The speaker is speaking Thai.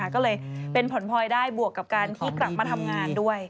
ก็เลยเป็นผลพลอยได้บวกกับการที่กลับมาทำงานด้วย